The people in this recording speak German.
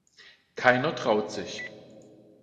Keiner traut sich.